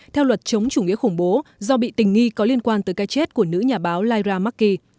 theo luật chống chủ nghĩa khủng bố do bị tình nghi có liên quan tới cái chết của nữ nhà báo lyra mckee